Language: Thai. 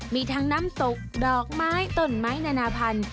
มีทั้งน้ำตกดอกไม้ต้นไม้นานาพันธุ